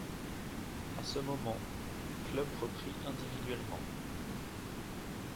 À ce moment, club reprit individuellement.